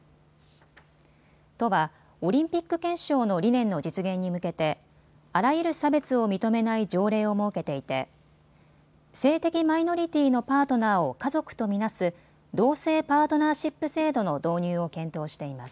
都はオリンピック憲章の理念の実現に向けてあらゆる差別を認めない条例を設けていて性的マイノリティーのパートナーを家族と見なす同性パートナーシップ制度の導入を検討しています。